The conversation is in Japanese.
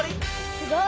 すごい！